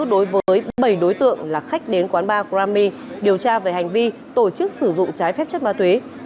đối với bảy đối tượng là khách đến quán ba grami điều tra về hành vi tổ chức sử dụng trái phép chất ma túy